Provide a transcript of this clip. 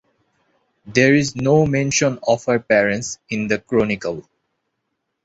There is no mention of her parents in the Chronicles.